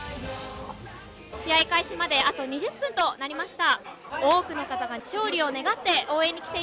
試合開始まであと２０分となりました。